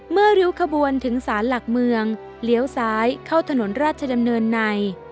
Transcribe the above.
ริ้วขบวนถึงสารหลักเมืองเลี้ยวซ้ายเข้าถนนราชดำเนินใน